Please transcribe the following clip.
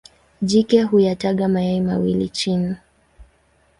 Jike huyataga mayai mawili chini.